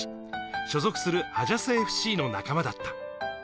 所属するハジャスＦＣの仲間だった。